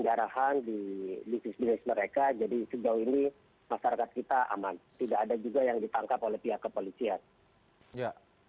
tidak ada juga yang ditangkap oleh pihak kepolisian